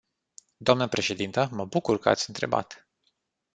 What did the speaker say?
Dnă președintă, mă bucur că ați întrebat.